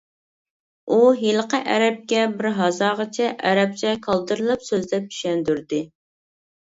ئۇ ھېلىقى ئەرەبكە بىر ھازاغىچە ئەرەبچە كالدىرلاپ سۆزلەپ چۈشەندۈردى.